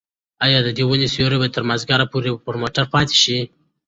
ایا د دې ونې سیوری به تر مازدیګره پورې پر موټر پاتې شي؟